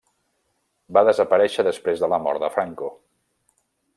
Va desaparèixer després de la mort de Franco.